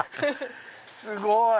すごい！